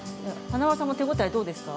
華丸さんの手応えはどうですか。